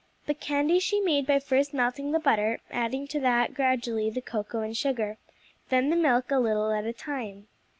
The candy she made by first melting the butter, adding to that gradually the cocoa and sugar, then the milk a little at a time.